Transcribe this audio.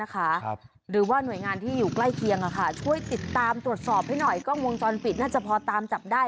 คือหน้าเห็นใจนะ